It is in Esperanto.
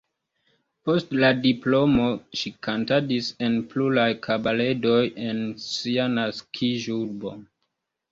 Post la diplomo ŝi kantadis en pluraj kabaredoj en sia naskiĝurbo.